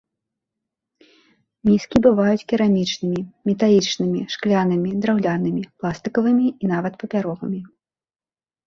Міскі бываюць керамічнымі, металічнымі, шклянымі, драўлянымі, пластыкавымі і нават папяровымі.